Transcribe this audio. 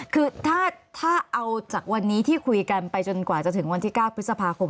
คือถ้าเอาจากวันนี้ที่คุยกันไปจนกว่าจะถึงวันที่๙พฤษภาคม